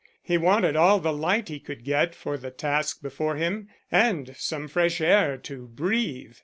He wanted all the light he could get for the task before him, and some fresh air to breathe.